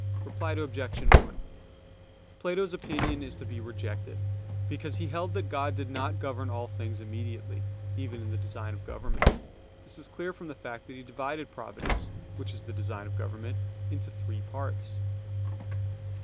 Reply Obj. 1: Plato's opinion is to be rejected, because he held that God did not govern all things immediately, even in the design of government; this is clear from the fact that he divided providence, which is the design of government, into three parts.